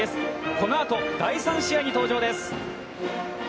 このあと、第３試合に登場です。